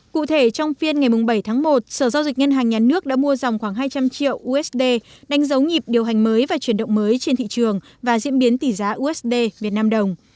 cụ thể trong phiên ngày bảy tháng một sở giao dịch ngân hàng nhà nước đã mua dòng khoảng hai trăm linh triệu usd đánh dấu nhịp điều hành mới và chuyển động mới trên thị trường và diễn biến tỷ giá usd việt nam đồng